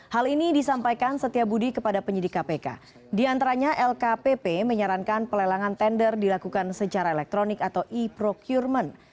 hal ini disampaikan setia budi kepada penyidik kpk diantaranya lkpp menyarankan pelelangan tender dilakukan secara elektronik atau e procurement